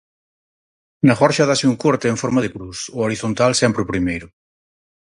Na gorxa dáse un corte en forma de cruz, o horizontal sempre o primeiro.